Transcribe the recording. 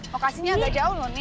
lokasinya agak jauh loh nih